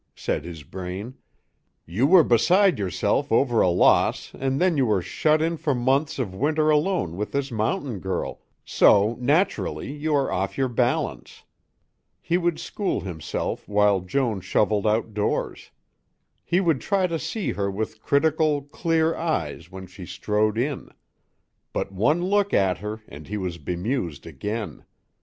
said his brain, "you were beside yourself over a loss and then you were shut in for months of winter alone with this mountain girl, so naturally you are off your balance." He would school himself while Joan shoveled outdoors. He would try to see her with critical, clear eyes when she strode in. But one look at her and he was bemused again.